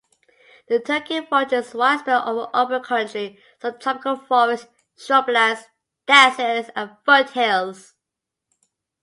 The turkey vulture is widespread over open country, subtropical forests, shrublands, deserts, and foothills.